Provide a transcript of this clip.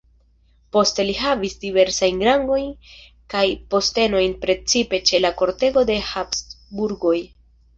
Poste li havis diversajn rangojn kaj postenojn precipe ĉe la kortego de Habsburgoj.